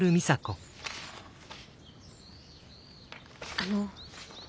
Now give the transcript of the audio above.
あの。